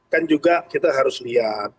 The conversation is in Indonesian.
kan juga kita harus lihat